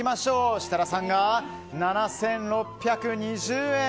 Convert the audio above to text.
設楽さんが７６２０円。